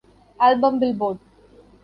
Album - "Billboard"